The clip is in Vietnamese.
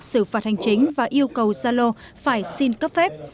sử phạt hành chính và yêu cầu giao lộ phải xin cấp phép